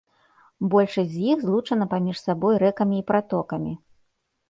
Большасць з іх злучана паміж сабой рэкамі і пратокамі.